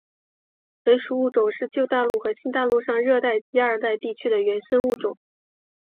本属物种是旧大陆和新大陆上热带及亚热带地区的原生物种。